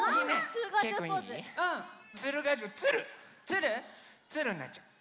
つるになっちゃう。